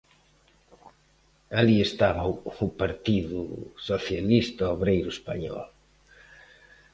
Alí estaba o Partido Socialista Obreiro Español.